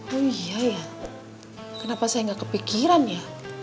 oh iya ya kenapa saya gak kepikiran ya